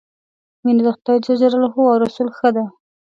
مینه د خدای ج او رسول ښه ده.